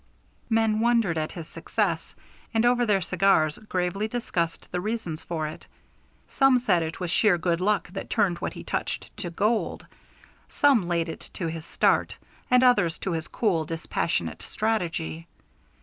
Men wondered at his success, and over their cigars gravely discussed the reasons for it. Some said it was sheer good luck that turned what he touched to gold, some laid it to his start, and others to his cool, dispassionate strategy.